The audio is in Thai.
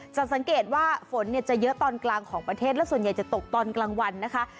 สังเกตว่าฝนเนี่ยจะเยอะตอนกลางของประเทศและส่วนใหญ่จะตกตอนกลางวันนะคะ